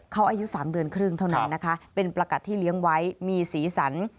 เขาอายุ๓เดือนครึ่งเท่านั้นนะคะเป็นประกัดที่เลี้ยงไว้มีสีสัน